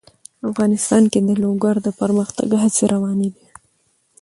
افغانستان کې د لوگر د پرمختګ هڅې روانې دي.